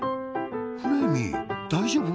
フレーミーだいじょうぶ？